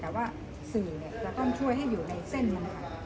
แต่ว่าสื่อเราต้องช่วยให้อยู่ในเส้นนั้นค่ะ